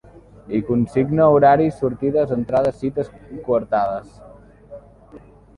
Hi consigna horaris sortides entrades cites coartades.